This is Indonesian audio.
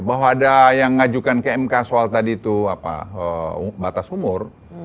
bahwa ada yang ngajukan ke mk soal tadi itu batas umur